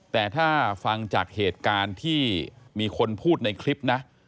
แต่ถ้าฟังจากเหตุการณ์ที่มีคนพูดในคลิปนะ